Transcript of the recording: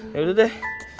ya udah deh